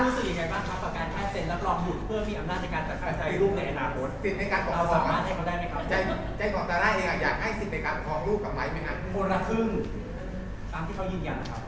ซาร่าก็ได้เลยค่ะ